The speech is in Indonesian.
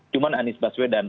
cuma anies baswedan